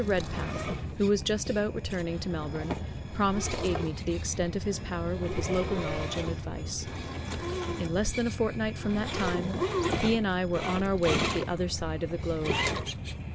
Redpath, who was just about returning to Melbourne, promised to aid me to the extent of his power with his local knowledge and advice. In less than a fortnight from that time he and I were on our way to the other side of the globe.